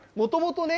もともとね